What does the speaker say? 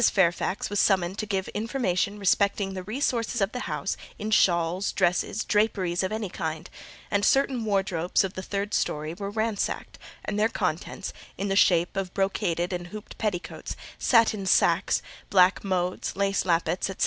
Fairfax was summoned to give information respecting the resources of the house in shawls, dresses, draperies of any kind; and certain wardrobes of the third storey were ransacked, and their contents, in the shape of brocaded and hooped petticoats, satin sacques, black modes, lace lappets, &c.